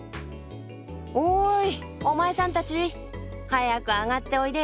おいお前さんたち早く上がっておいでよ。